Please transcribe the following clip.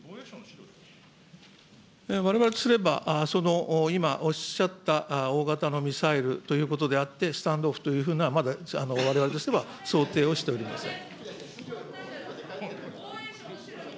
われわれとすれば、その今、おっしゃった大型のミサイルということであって、スタンド・オフというのは、まだわれわれとしては想定をしておりません。